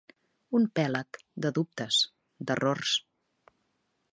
Un pèlag de dubtes, d'errors.